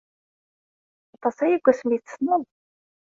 Aṭas aya seg wasmi ay t-tessneḍ?